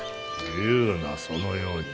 言うなそのように。